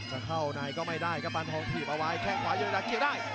จะเข้าในก็ไม่ได้กระปันทองถีบเอาไว้แข้งขวาโยเนดาเกียรติได้